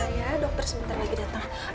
ya dokter sebentar lagi datang